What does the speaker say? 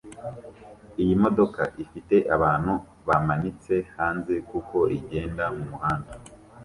Iyi modoka ifite abantu bamanitse hanze kuko igenda mumuhanda